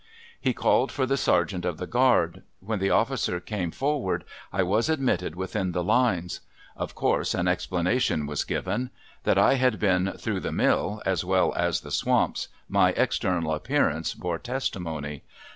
He called for the sergeant of the guard. When that officer came forward I was admitted within the lines. Of course an explanation was given. That I had been "through the mill" as well as the swamps, my external appearance bore testimony.